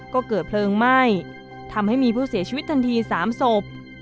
ก็เกิดเพลิงไหม้ทำให้มีผู้เสียชีวิตทันที๓ศพ